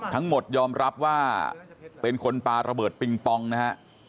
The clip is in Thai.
ทั้งหมดยอมรับว่าเป็นคนปลาระเบิดปิงปองนะฮะ